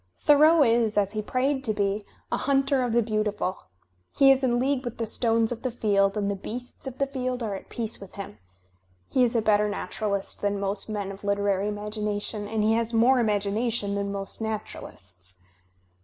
Thoreau is, as he prayed to be, a "hunter of the beautiful." He is in league with the stones of the field, and the beasts of the field are at peace with him. He is a better naturalist than most men of literary imagination, and he has more imagination than most naturalists.